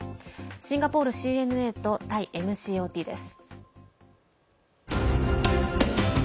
シンガポールＣＮＡとタイＭＣＯＴです。